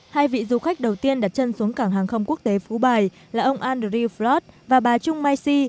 hai vị du khách đầu tiên đặt chân xuống cảng hàng không quốc tế phú bài là ông andrew flot và bà trung mai si